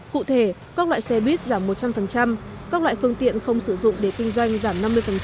cụ thể các loại xe buýt giảm một trăm linh các loại phương tiện không sử dụng để kinh doanh giảm năm mươi